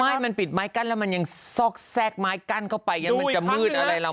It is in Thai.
ไม่มันปิดไม้กั้นแล้วมันยังซอกแทรกไม้กั้นเข้าไปยังมันจะมืดอะไรเรา